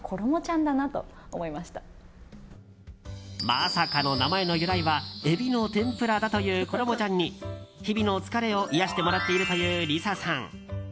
まさかの名前の由来はエビの天ぷらだというころもちゃんに日々の疲れを癒やしてもらっているというＬｉＳＡさん。